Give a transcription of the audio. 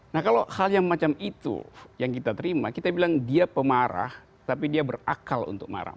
nah kalau hal yang macam itu yang kita terima kita bilang dia pemarah tapi dia berakal untuk marah